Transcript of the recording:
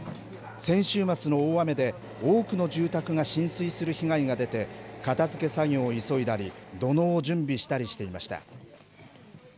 先週末の大雨で多くの住宅が浸水する被害が出て片づけ作業を急いだり土のうを準備したりしていました。